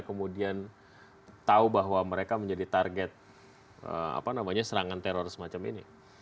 kemudian tahu bahwa mereka menjadi target serangan teror semacam ini